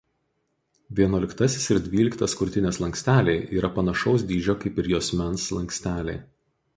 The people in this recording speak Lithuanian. Vienuoliktasis ir dvyliktas krūtinės slanksteliai yra panašaus dydžio kaip ir juosmens slanksteliai.